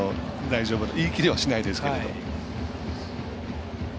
言い切りはしないですけれども。